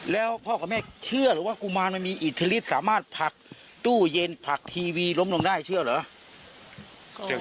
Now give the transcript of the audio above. แล้วพ่อกับแม่เชื่อหรือว่ากุมารมันมีอิทธิฤทธิสามารถผักตู้เย็นผักทีวีล้มลงได้เชื่อเหรอ